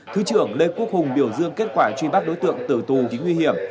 thứ trưởng lê quốc hùng biểu dương kết quả truy bắt đối tượng tử tù tù chính nguy hiểm